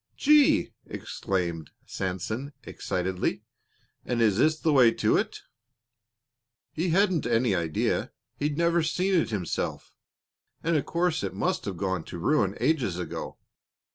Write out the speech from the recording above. "Gee!" exclaimed Sanson, excitedly. "And is this the way to it?" "He hadn't any idea. He'd never seen it himself, and of course it must have gone to ruin ages ago.